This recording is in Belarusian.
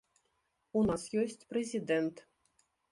У нас ёсць прэзідэнт.